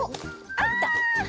あ！いった！